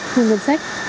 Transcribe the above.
thu ngân sách